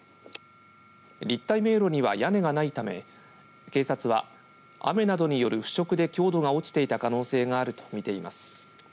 立体迷路には屋根がないため警察は、雨などによる腐食で強度が落ちていた可能性があるとみています。